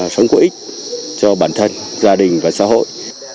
sống có ích cho bản thân gia đình và xã hội